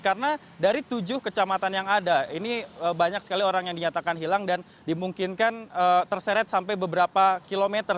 karena dari tujuh kecamatan yang ada ini banyak sekali orang yang dinyatakan hilang dan dimungkinkan terseret sampai beberapa kilometer